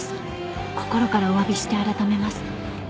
［心からおわびして改めます］